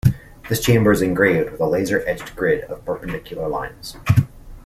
This chamber is engraved with a laser-etched grid of perpendicular lines.